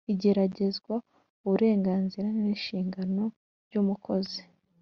igeragezwa, uburenganzira n’inshingano by’umukozi